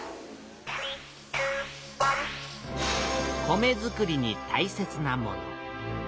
米づくりにたいせつなもの。